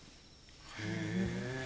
へえ。